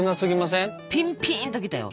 ピンピンと来たよ。